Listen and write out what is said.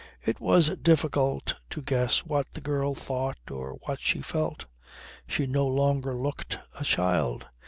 It was difficult to guess what the girl thought or what she felt. She no longer looked a child.